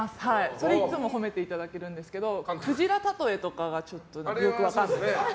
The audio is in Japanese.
それいつも褒めていただけるんですけどクジラ例えとかがよく分からない。